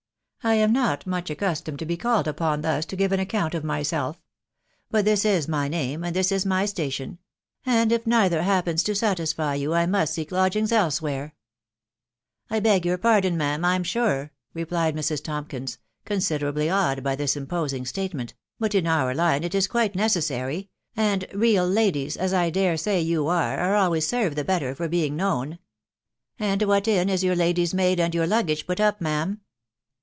I am not much accustomed to be called upon thus to give an account of myself; but this is my name, and this is my station ; and if neither happens to satisfy you, I must seek lodgings elsewhere/' " I beg your pardon, ma'am, I'm sure," replied Mrs. Tompkins, considerably awed by this imposing statement, " but in our line it is quite necessary ; and real ladies, as I dare say you are, are always served the better for being known. At what inn is your lady's maid and your luggage put up, ma'am